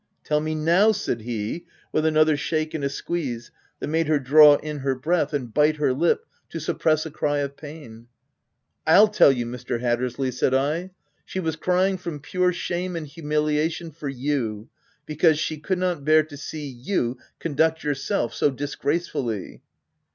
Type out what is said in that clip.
" Tell me now !" said he with another shake and a squeeze that made her draw in her breath and bite her lip to suppress a cry of pain. "FU tell you, Mr. Hattersley," said I. "She was crying from pure shame and humiliation for you ; because she could not bear to see you conduct yourself so disgracefully."